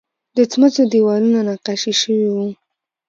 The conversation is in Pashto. د سمڅو دیوالونه نقاشي شوي وو